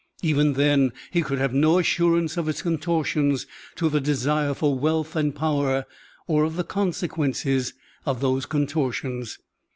Even then he could have no assurance of its contortions to the desire for wealth and power or of the consequences of those contortions.